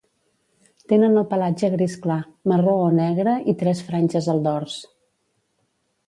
Tenen el pelatge gris clar, marró o negre i tres franges al dors.